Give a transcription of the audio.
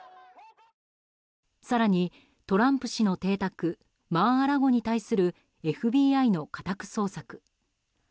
更に、トランプ氏の邸宅マー・ア・ラゴに対するＦＢＩの家宅捜索。